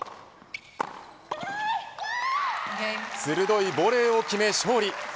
鋭いボレーを決め勝利。